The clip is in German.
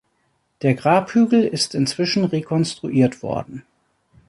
Der Grabhügel ist inzwischen rekonstruiert worden.